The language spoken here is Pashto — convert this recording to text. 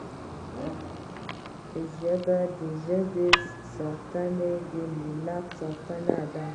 ژبه د ژبې ساتنه د ملت ساتنه ده